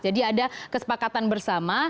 jadi ada kesepakatan bersama